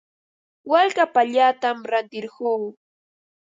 Walka papallatam rantirquu.